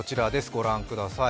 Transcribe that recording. ご覧ください。